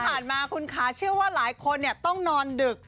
เมื่อกล้ามคืนเท่านั้นพูดว่าหลายคนต้องนอนดึก